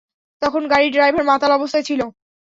তখন গাড়ির ড্রাইভার মাতাল অবস্থায় ছিল।